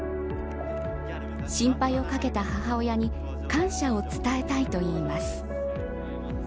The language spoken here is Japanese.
心配をかけた母親に感謝を伝えたいと言います。